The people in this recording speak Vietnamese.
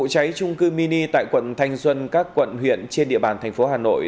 vụ cháy trung cư mini tại quận thanh xuân các quận huyện trên địa bàn thành phố hà nội